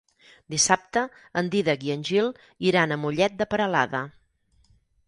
Dissabte en Dídac i en Gil iran a Mollet de Peralada.